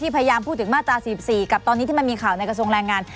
พยายามพูดถึงมาตรา๔๔กับตอนนี้ที่มันมีข่าวในกระทรวงแรงงาน